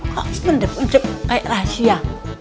kok sebenernya penjep kayak rahasia